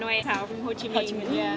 お。